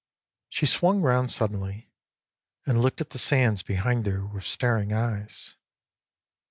She swung round suddenly and looked at the sands behind her with staring eyes.